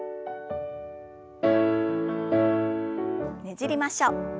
ねじりましょう。